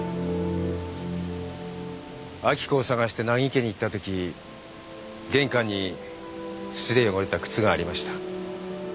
明子を捜して名木家に行ったとき玄関に土で汚れた靴がありました。